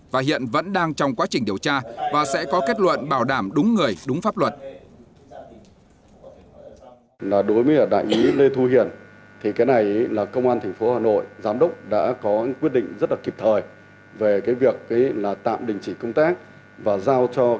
và hiện vẫn đang trong quá trình điều tra và sẽ có kết luận bảo đảm đúng người đúng pháp luật